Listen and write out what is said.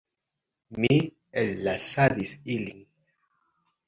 Mi ellasadis ilin.